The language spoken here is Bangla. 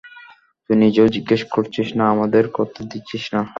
তুই নিজেও জিজ্ঞেস করছিস না আমাদেরও করতে দিচ্ছিস না?